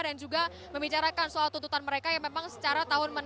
dan juga membicarakan soal tuntutan mereka yang memang secara tahun menang